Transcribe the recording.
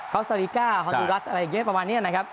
อสซาลิก้าฮอนดูรัสอะไรอย่างนี้ประมาณนี้นะครับ